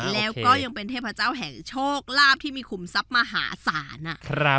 แล้วก็ยังเป็นเทพเจ้าแห่งโชคลาภที่มีขุมทรัพย์มหาศาล